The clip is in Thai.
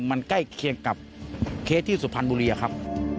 มันใกล้เคียงกับเคสที่สุพรรณบุรีอะครับ